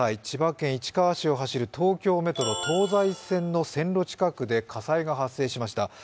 千葉県市川市を走る東京メトロ東西線の線路近くで火災が発生しました。